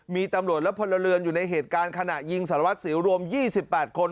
มีตำรวจและพลเรือนอยู่ในเหตุการณ์ขณะยิงสารวัสสิวรวม๒๘คน